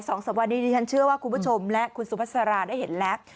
สองสามวันนี้ดิฉันเชื่อว่าคุณผู้ชมและคุณสุภาษาราได้เห็นแล้ว